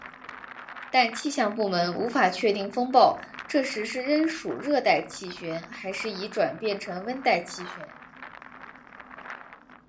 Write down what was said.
但气象部门无法确定风暴这时是仍属热带气旋还是已转变成温带气旋。